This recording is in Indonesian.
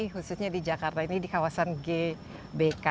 khususnya di jakarta ini di kawasan gbk